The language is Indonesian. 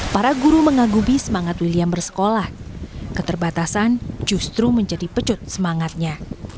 para guru mengagumi semangat william bersekolah keterbatasan justru menjadi pecut semangatnya